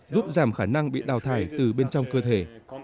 giúp giảm khả năng bị đào thải từ bên trong cơ thể